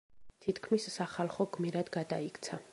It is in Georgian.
თითქმის სახალხო გმირად გადაიქცა.